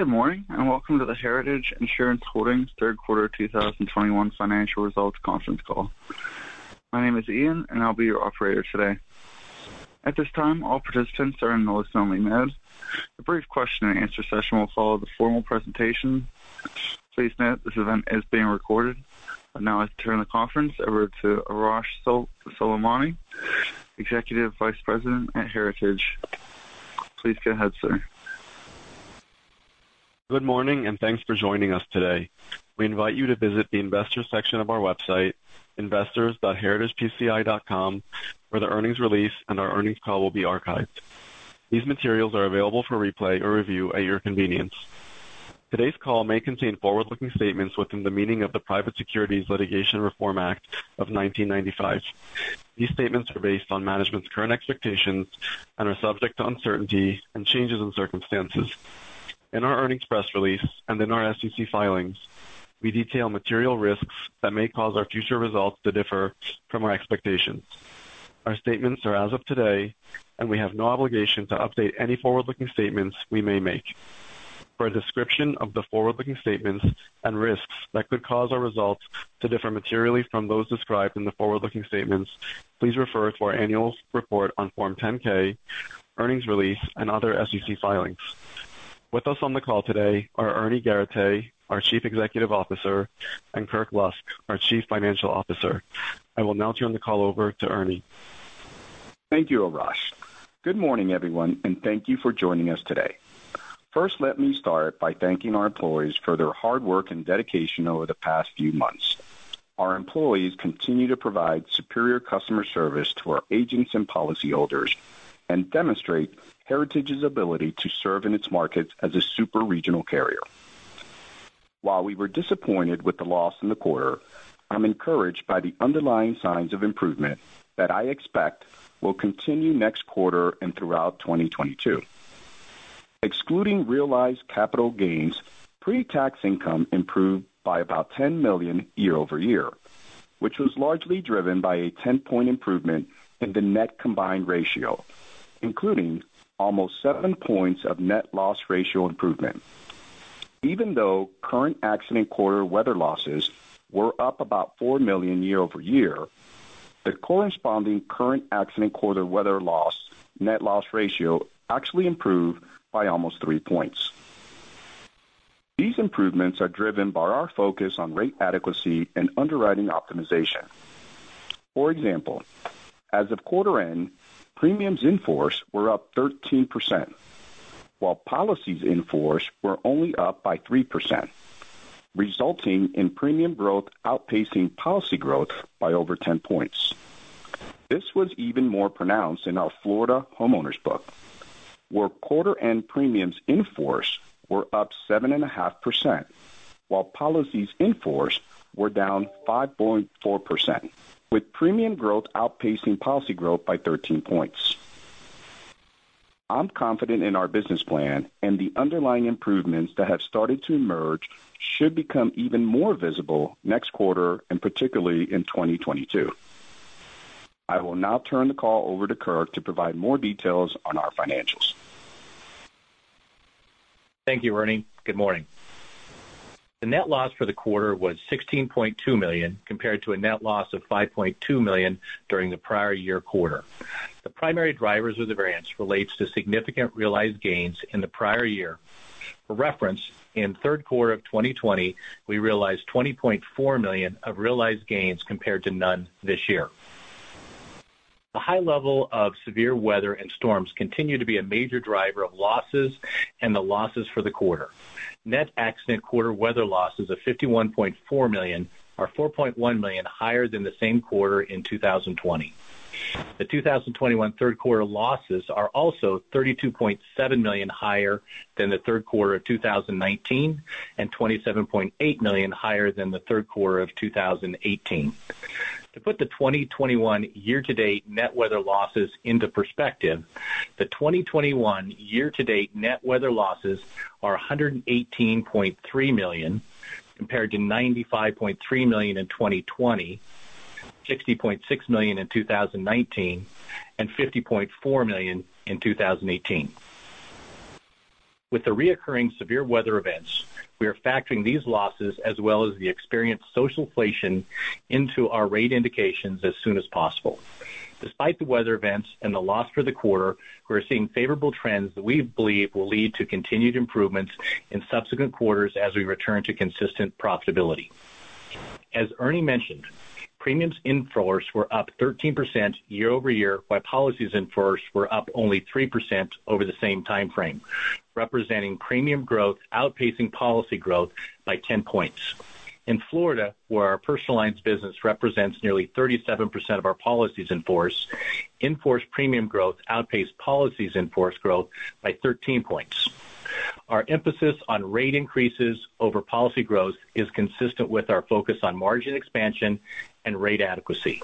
Good morning, and welcome to the Heritage Insurance Holdings Q1 2021 Financial Results conference call. My name is Ian, and I'll be your operator today. At this time, all participants are in listen only mode. A brief question-and-answer session will follow the formal presentation. Please note this event is being recorded. I'd now like to turn the conference over to Arash Soleimani, Executive Vice President at Heritage. Please go ahead, sir. Good morning, and thanks for joining us today. We invite you to visit the investor section of our website, investors.heritagepci.com, where the earnings release and our earnings call will be archived. These materials are available for replay or review at your convenience. Today's call may contain forward-looking statements within the meaning of the Private Securities Litigation Reform Act of 1995. These statements are based on management's current expectations and are subject to uncertainty and changes in circumstances. In our earnings press release and in our SEC filings, we detail material risks that may cause our future results to differ from our expectations. Our statements are as of today, and we have no obligation to update any forward-looking statements we may make. For a description of the forward-looking statements and risks that could cause our results to differ materially from those described in the forward-looking statements, please refer to our annual report on Form 10-K, earnings release, and other SEC filings. With us on the call today are Ernie Garateix, our Chief Executive Officer, and Kirk Lusk, our Chief Financial Officer. I will now turn the call over to Ernie. Thank you, Arash. Good morning, everyone, and thank you for joining us today. First, let me start by thanking our employees for their hard work and dedication over the past few months. Our employees continue to provide superior customer service to our agents and policyholders and demonstrate Heritage's ability to serve in its markets as a super-regional carrier. While we were disappointed with the loss in the quarter, I'm encouraged by the underlying signs of improvement that I expect will continue next quarter and throughout 2022. Excluding realized capital gains, pre-tax income improved by about $10 million year-over-year, which was largely driven by a 10-point improvement in the net combined ratio, including almost 7 points of net loss ratio improvement. Even though current accident quarter weather losses were up about $4 million year-over-year, the corresponding current accident quarter weather loss net loss ratio actually improved by almost 3 points. These improvements are driven by our focus on rate adequacy and underwriting optimization. For example, as of quarter end, premiums in force were up 13%, while policies in force were only up by 3%, resulting in premium growth outpacing policy growth by over 10 points. This was even more pronounced in our Florida homeowners book, where quarter end premiums in force were up 7.5%, while policies in force were down 5.4%, with premium growth outpacing policy growth by 13 points. I'm confident in our business plan, and the underlying improvements that have started to emerge should become even more visible next quarter, and particularly in 2022. I will now turn the call over to Kirk to provide more details on our financials. Thank you, Ernie. Good morning. The net loss for the quarter was $16.2 million, compared to a net loss of $5.2 million during the prior year quarter. The primary drivers of the variance relates to significant realized gains in the prior year. For reference, in Q3 of 2020, we realized $20.4 million of realized gains compared to none this year. The high level of severe weather and storms continue to be a major driver of losses and the losses for the quarter. Net catastrophe weather losses of $51.4 million are $4.1 million higher than the same quarter in 2020. The 2021 Q3 losses are also $32.7 million higher than the Q3 of 2019, and $27.8 million higher than the Q3 of 2018. To put the 2021 year-to-date net weather losses into perspective, the 2021 year-to-date net weather losses are $118.3 million, compared to $95.3 million in 2020, $60.6 million in 2019, and $50.4 million in 2018. With the recurring severe weather events, we are factoring these losses as well as the experienced social inflation into our rate indications as soon as possible. Despite the weather events and the loss for the quarter, we're seeing favorable trends that we believe will lead to continued improvements in subsequent quarters as we return to consistent profitability. As Ernie mentioned, premiums in force were up 13% year-over-year, while policies in force were up only 3% over the same time frame, representing premium growth outpacing policy growth by 10 points. In Florida, where our personal lines business represents nearly 37% of our policies in force, in-force premium growth outpaced policies in-force growth by 13 points. Our emphasis on rate increases over policy growth is consistent with our focus on margin expansion and rate adequacy.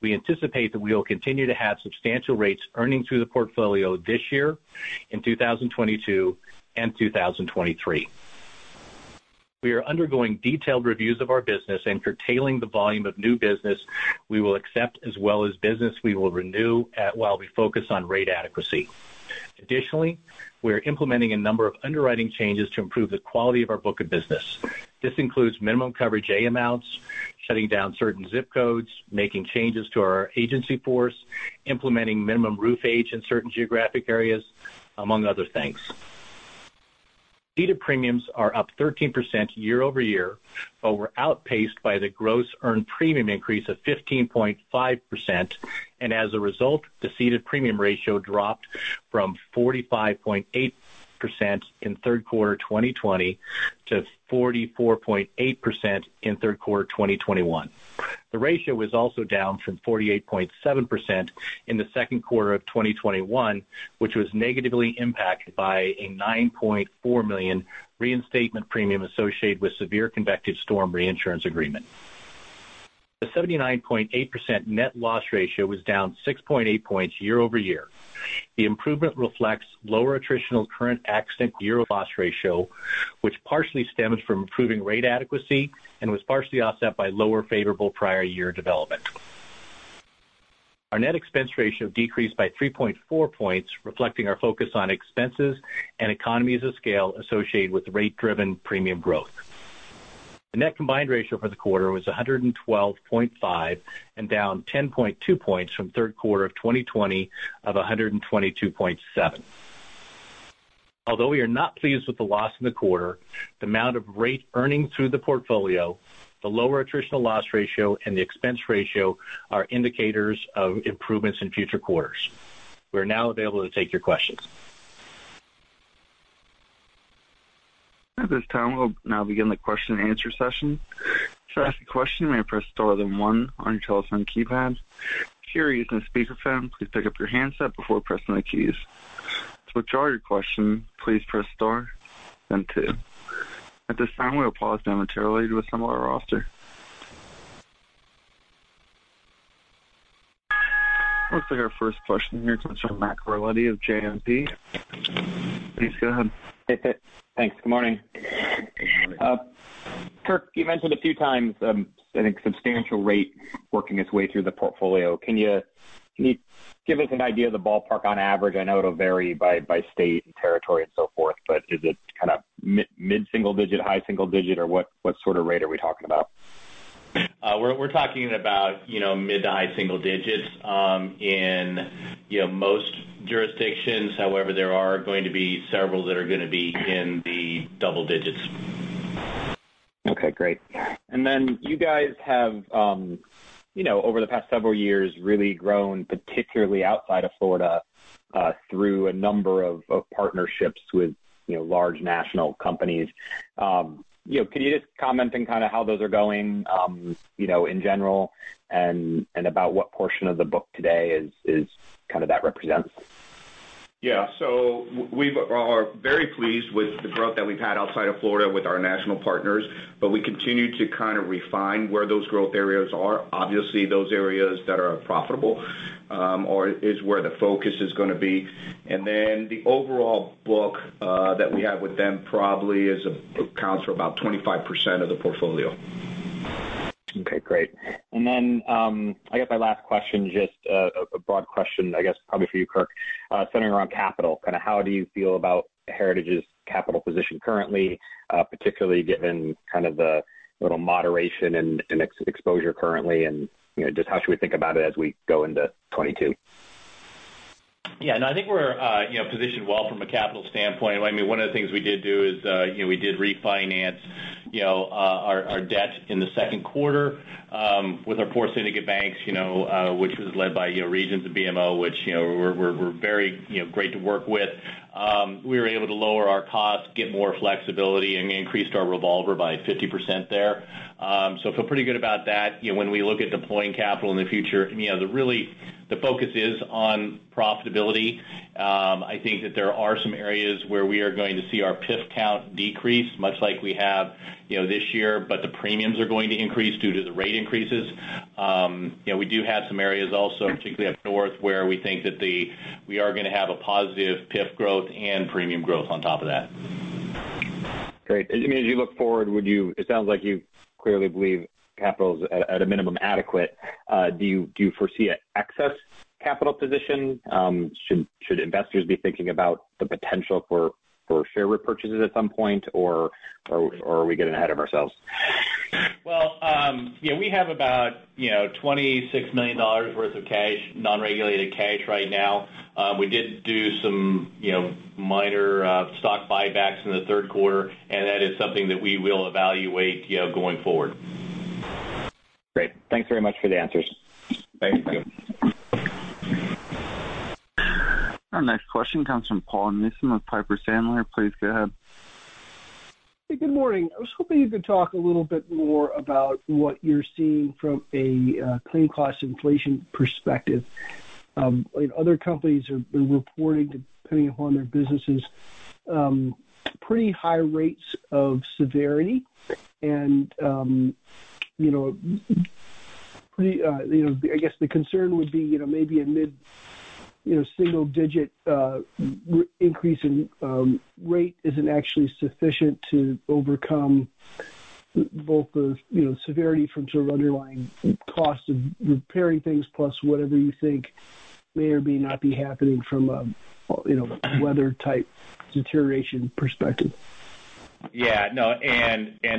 We anticipate that we will continue to have substantial rates earning through the portfolio this year, in 2022, and 2023. We are undergoing detailed reviews of our business and curtailing the volume of new business we will accept as well as business we will renew while we focus on rate adequacy. Additionally, we are implementing a number of underwriting changes to improve the quality of our book of business. This includes minimum Coverage A amounts, shutting down certain zip codes, making changes to our agency force, implementing minimum roof age in certain geographic areas, among other things. Ceded premiums are up 13% year-over-year, but were outpaced by the gross earned premium increase of 15.5%. As a result, the ceded premium ratio dropped from 45.8% in Q3 2020 to 44.8% in Q3 2021. The ratio was also down from 48.7% in the Q2 of 2021, which was negatively impacted by a $9.4 million reinstatement premium associated with severe convective storm reinsurance agreement. The 79.8% net loss ratio was down 6.8 points year-over-year. The improvement reflects lower attritional current accident year loss ratio, which partially stemmed from improving rate adequacy and was partially offset by lower favorable prior year development. Our net expense ratio decreased by 3.4 points, reflecting our focus on expenses and economies of scale associated with rate-driven premium growth. The net combined ratio for the quarter was 112.5 and down 10.2 points from Q3 of 2020 of 122.7. Although we are not pleased with the loss in the quarter, the amount of rate earning through the portfolio, the lower attritional loss ratio, and the expense ratio are indicators of improvements in future quarters. We are now available to take your questions. At this time, we'll now begin the question and answer session. To ask a question, you may press star then one on your telephone keypad. If you're using a speakerphone, please pick up your handset before pressing the keys. To withdraw your question, please press star then two. At this time, we'll pause momentarily to assemble our roster. Looks like our first question here comes from Matt Carletti of JMP. Please go ahead. Hey. Thanks. Good morning. Good morning. Kirk, you mentioned a few times, I think, substantial rate working its way through the portfolio. Can you give us an idea of the ballpark on average? I know it'll vary by state and territory and so forth, but is it kind of mid-single digit, high single digit, or what sort of rate are we talking about? We're talking about, you know, mid to high single digits, in, you know, most jurisdictions. However, there are going to be several that are gonna be in the double digits. Okay, great. You guys have, you know, over the past several years, really grown, particularly outside of Florida, through a number of partnerships with, you know, large national companies. You know, can you just comment on kind of how those are going, you know, in general and about what portion of the book today is kind of that represents? Yeah. We are very pleased with the growth that we've had outside of Florida with our national partners, but we continue to kind of refine where those growth areas are. Obviously, those areas that are profitable or is where the focus is gonna be. The overall book that we have with them probably accounts for about 25% of the portfolio. Okay, great. I guess my last question, just a broad question, I guess probably for you, Kirk, centering around capital. Kind of how do you feel about Heritage's capital position currently, particularly given kind of the little moderation and exposure currently? You know, just how should we think about it as we go into 2022? Yeah. No, I think we're you know, positioned well from a capital standpoint. I mean, one of the things we did do is you know, we did refinance you know our debt in the Q2 with our core syndicate banks, you know, which was led by you know, Regions and BMO, which were very you know, great to work with. We were able to lower our costs, get more flexibility, and increased our revolver by 50% there. So I feel pretty good about that. You know, when we look at deploying capital in the future, I mean, really the focus is on profitability. I think that there are some areas where we are going to see our PIF count decrease, much like we have, you know, this year, but the premiums are going to increase due to the rate increases. You know, we do have some areas also, particularly up north, where we think that we are gonna have a positive PIF growth and premium growth on top of that. Great. As you look forward, it sounds like you clearly believe capital's at a minimum adequate. Do you foresee an excess capital position? Should investors be thinking about the potential for share repurchases at some point, or are we getting ahead of ourselves? Well, you know, we have about $26 million worth of cash, non-regulated cash right now. We did do some, you know, minor stock buybacks in the Q3, and that is something that we will evaluate, you know, going forward. Great. Thanks very much for the answers. Thanks. Our next question comes from Paul Newsome of Piper Sandler. Please go ahead. Hey, good morning. I was hoping you could talk a little bit more about what you're seeing from a claim cost inflation perspective. Other companies have been reporting, depending upon their businesses, pretty high rates of severity. You know, I guess the concern would be, you know, maybe a mid single digit increase in rate isn't actually sufficient to overcome both the severity from sort of underlying costs of repairing things, plus whatever you think may or may not be happening from a weather type deterioration perspective. Yeah, no.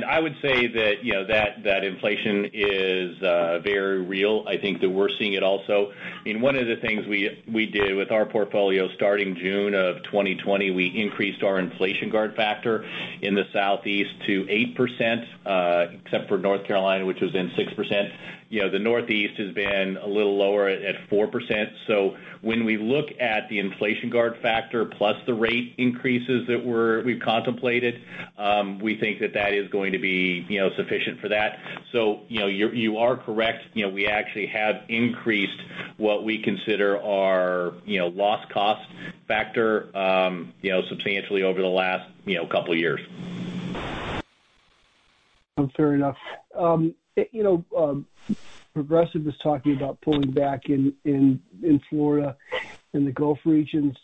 I would say that, you know, that inflation is very real. I think that we're seeing it also. I mean, one of the things we did with our portfolio starting June of 2020, we increased our inflation guard factor in the Southeast to 8%, except for North Carolina, which was then 6%. You know, the Northeast has been a little lower at 4%. When we look at the inflation guard factor plus the rate increases that we've contemplated, we think that that is going to be, you know, sufficient for that. You know, you are correct. You know, we actually have increased what we consider our, you know, loss cost factor, you know, substantially over the last, you know, couple of years. Fair enough. You know, Progressive was talking about pulling back in Florida, in the Gulf regions.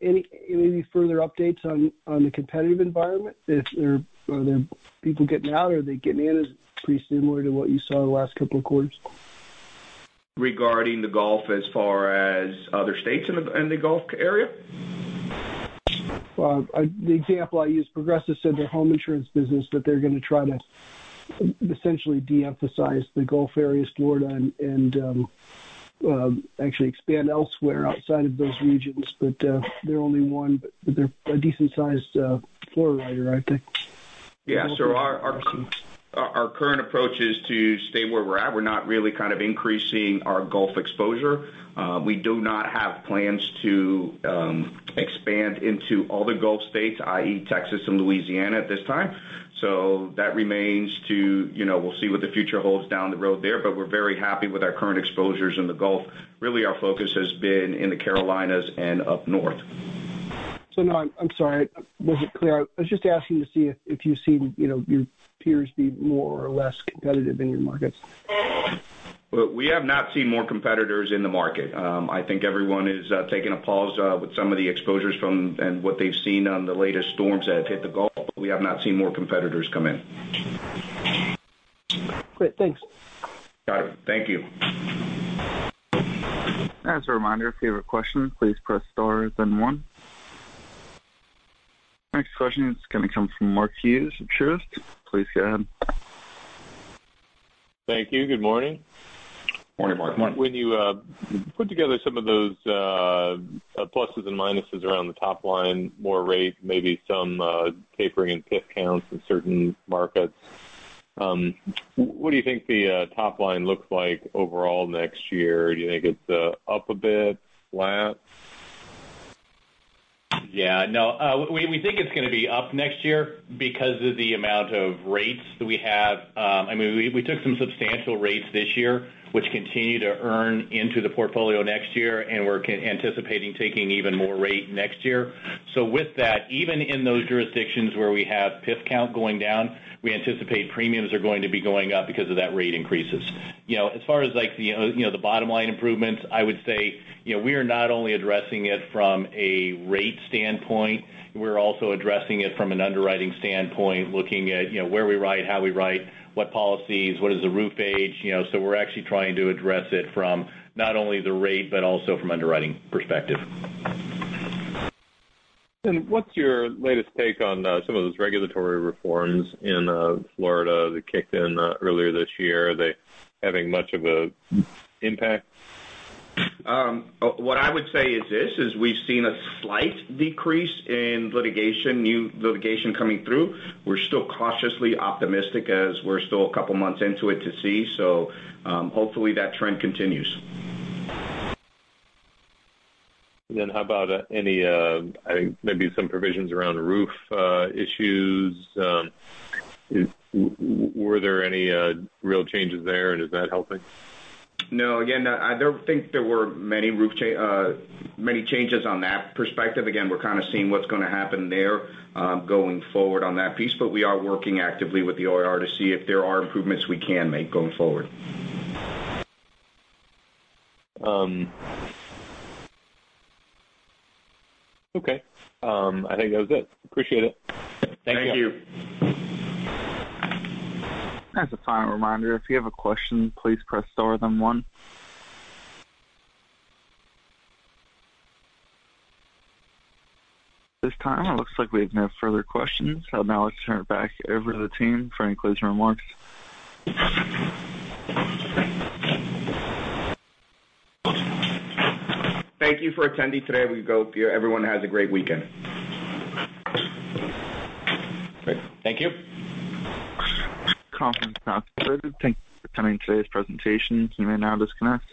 Any further updates on the competitive environment? Are there people getting out? Are they getting in, or is it pretty similar to what you saw the last couple of quarters. Regarding the Gulf as far as other states in the Gulf area? Well, the example I use, Progressive said their home insurance business that they're going to try to essentially de-emphasize the Gulf areas, Florida and actually expand elsewhere outside of those regions. They're only one, but they're a decent sized Florida writer, I think. Yeah. Our current approach is to stay where we're at. We're not really kind of increasing our Gulf exposure. We do not have plans to expand into all the Gulf states, i.e., Texas and Louisiana, at this time. You know, we'll see what the future holds down the road there. But we're very happy with our current exposures in the Gulf. Really, our focus has been in the Carolinas and up north. Now I'm sorry, was it clear? I was just asking to see if you see, you know, your peers be more or less competitive in your markets. We have not seen more competitors in the market. I think everyone is taking a pause with some of the exposures from, and what they've seen on the latest storms that have hit the Gulf. We have not seen more competitors come in. Great. Thanks. Got it. Thank you. As a reminder, if you have a question, please press star then one. Next question is going to come from Mark Hughes of Truist. Please go ahead. Thank you. Good morning. Morning, Mark. Morning. When you put together some of those pluses and minuses around the top line, more rate, maybe some tapering in PIF counts in certain markets, what do you think the top line looks like overall next year? Do you think it's up a bit? Flat? Yeah. No, we think it's going to be up next year because of the amount of rates that we have. I mean, we took some substantial rates this year, which continue to earn into the portfolio next year, and we're anticipating taking even more rate next year. With that, even in those jurisdictions where we have PIF count going down, we anticipate premiums are going to be going up because of that rate increases. You know, as far as like the, you know, the bottom line improvements, I would say, you know, we are not only addressing it from a rate standpoint, we're also addressing it from an underwriting standpoint, looking at, you know, where we write, how we write, what policies, what is the roof age, you know. We're actually trying to address it from not only the rate but also from underwriting perspective. What's your latest take on some of those regulatory reforms in Florida that kicked in earlier this year? Are they having much of an impact? What I would say is this, we've seen a slight decrease in new litigation coming through. We're still cautiously optimistic as we're still a couple months into it to see. Hopefully that trend continues. How about any maybe some provisions around roof issues? Were there any real changes there and is that helping? No, again, I don't think there were many changes on that perspective. Again, we're kind of seeing what's going to happen there, going forward on that piece, but we are working actively with the OIR to see if there are improvements we can make going forward. Okay. I think that was it. I appreciate it. Thank you. As a final reminder, if you have a question, please press star then one. At this time, it looks like we have no further questions. I'll now turn it back over to the team for any closing remarks. Thank you for attending today. We hope everyone has a great weekend. Great. Thank you. Conference now concluded. Thank you for coming to today's presentation. You may now disconnect.